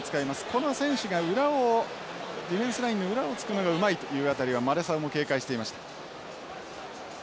この選手が裏をディフェンスラインの裏をつくのがうまいという辺りがマレサウも警戒していました。